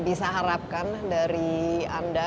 bisa harapkan dari anda